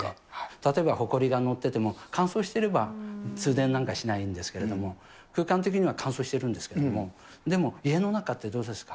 例えばほこりが載ってても、乾燥してれば、通電なんかしないんですけれども、空間的には乾燥してるんですけども、でも家の中ってどうですか？